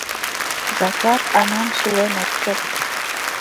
Заклад аҥам сулен ок керт.